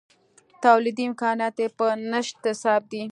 تولیدي امکانات یې په نشت حساب دي.